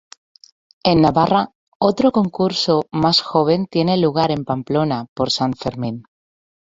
En Navarra otro concurso más joven tiene lugar en Pamplona por San Fermín.